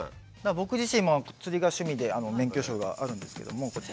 僕自身も釣りが趣味で免許証があるんですけどもこちら。